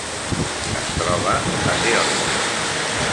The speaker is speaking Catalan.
Es troba a Geòrgia.